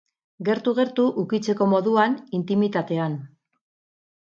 Gertu gertu, ukitzeko moduan, intimitatean.